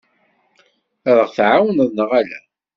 Ad aɣ-tɛawneḍ neɣ ala?